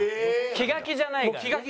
気が気じゃないからね。